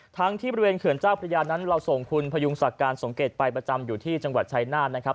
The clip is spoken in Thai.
ทั้งที่บริเวณเขื่อนเจ้าพระยานั้นเราส่งคุณพยุงศักดิ์การสมเกตไปประจำอยู่ที่จังหวัดชายนาฏนะครับ